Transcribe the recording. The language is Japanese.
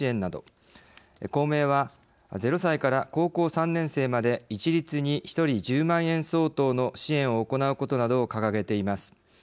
公明は０歳から高校三年生まで一律に一人１０万円相当の支援を行うことなどを掲げています。